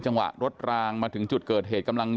จังหวะลดลางมาถึงไปจุดการกำลังอยู่